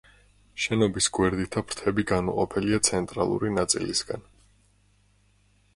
შენობის გვერდითა ფრთები გამოყოფილია ცენტრალური ნაწილისგან.